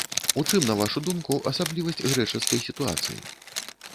У чым, на вашу думку, асаблівасць грэчаскай сітуацыі?